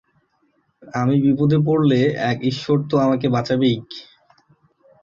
আমি বিপদে পড়লে এক ঈশ্বর তো আমাকে বাঁচাবেই।